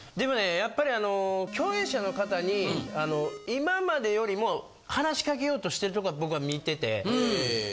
やっぱりあの共演者の方に今までよりも話しかけようとしてるとこを僕は見てて。